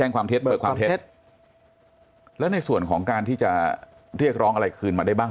ความเท็จเบิกความเท็จแล้วในส่วนของการที่จะเรียกร้องอะไรคืนมาได้บ้าง